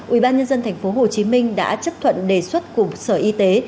ubnd thành phố hồ chí minh đã chấp thuận đề xuất cục sở y tế